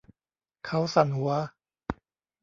เขาสั่นหัว